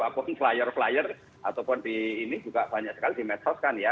ataupun flyer flyer ataupun di ini juga banyak sekali di medsos kan ya